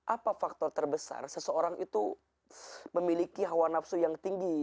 apa faktor terbesar seseorang itu memiliki hawa nafsu yang tinggi